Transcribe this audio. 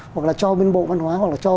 hoặc là cho bên bộ văn hóa hoặc là cho